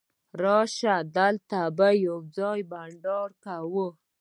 راسئ! دلته به یوځای بانډار وکو.